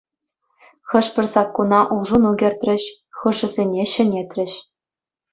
Хӑш-пӗр саккуна улшӑну кӗртрӗҫ, хӑшӗсене ҫӗнетрӗҫ.